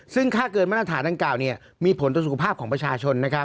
ซึ่งค่าเกินมาตรฐานดังกล่าวมีผลต่อสุขภาพของประชาชน